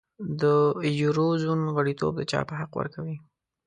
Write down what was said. د یورو زون غړیتوب د چاپ حق ورکوي.